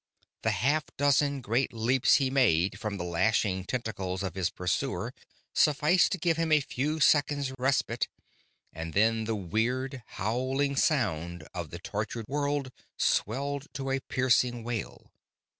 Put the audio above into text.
The half dozen great leaps he made from the lashing tentacles of his pursuer sufficed to give him a few seconds' respite, and then the weird, howling sound of the tortured world swelled to a piercing wail.